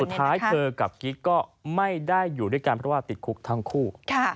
เธอกับกิ๊กก็ไม่ได้อยู่ด้วยกันเพราะว่าติดคุกทั้งคู่